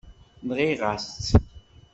Nɣiɣ-as-tt.